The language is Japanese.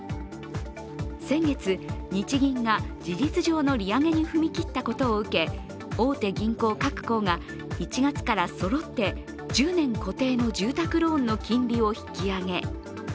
先月、日銀が事実上の利上げに踏み切ったことを受け、大手銀行各行が１月からそろって１０年固定の住宅ローンの金利を引き上げ。